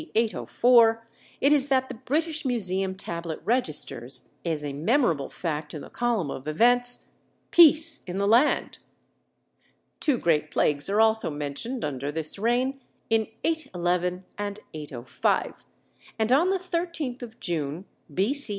804, it is that the British Museum tablet registers, as a memorable fact in the column of events, "Peace in the land." Two great plagues are also mentioned under this reign, in 811 and 805, and on the 13th of June, B.C.